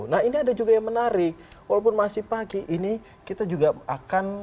nah ini ada juga yang menarik walaupun masih pagi ini kita juga akan